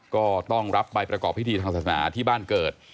ก็ต้องรับไปประกอบพิธีทางศาสนาที่บ้านเกิด